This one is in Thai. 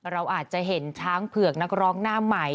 เราอาจจะเห็นช้างเผือกนักร้องหน้าใหม่